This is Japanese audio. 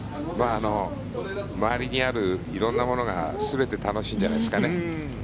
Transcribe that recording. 周りにある色んなものが全て楽しいんじゃないですかね。